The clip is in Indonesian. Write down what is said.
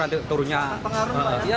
ya tidak akan pernah turunnya